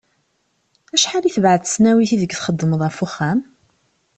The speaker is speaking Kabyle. Acḥal i tebεed tesnawit ideg txeddmeḍ ɣef uxxam?